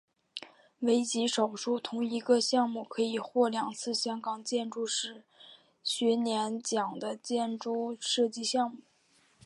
为极少数同一个项目可以获两次香港建筑师学会年奖的建筑设计项目。